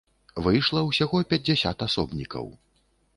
Выйшла ўсяго пяцьдзясят асобнікаў.